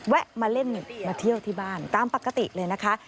มาเล่นมาเที่ยวที่บ้านตามปกติเลยนะคะ